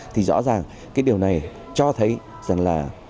thì rõ ràng cái điều này cho thấy rằng là